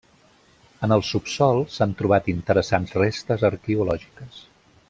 En el subsòl s'han trobat interessants restes arqueològiques.